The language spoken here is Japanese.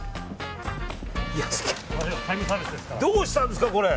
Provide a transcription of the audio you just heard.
どうしたんですか、これ。